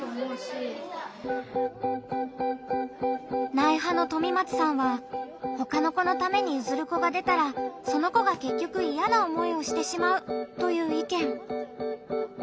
「ない派」のとみまつさんはほかの子のためにゆずる子が出たらその子がけっきょくイヤな思いをしてしまうという意見。